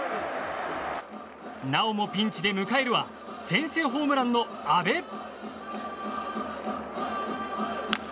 なおもピンチで迎えるは先制ホームランの阿部！